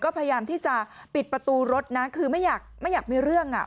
ก็พยายามที่จะปิดประตูรถนะคือไม่อยากไม่อยากมีเรื่องอ่ะ